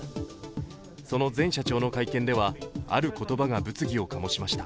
その前社長の会見では、ある言葉が物議を醸しました。